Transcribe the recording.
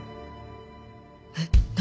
えっ何？